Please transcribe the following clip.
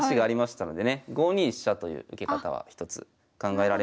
５二飛車という受け方は一つ考えられますが。